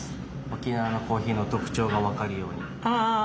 沖縄のコーヒーの特徴が分かるように。